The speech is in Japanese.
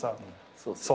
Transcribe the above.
そうっすね。